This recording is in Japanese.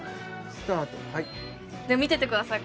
スタートはい見ててください